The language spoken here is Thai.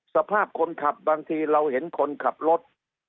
สภาพคนขับบางทีเราเห็นคนขับรถ